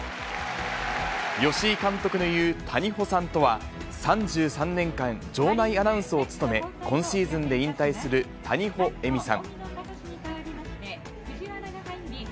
吉井監督の言う、谷保さんとは、３３年間、場内アナウンスを務め、今シーズンで引退する谷保恵美さん。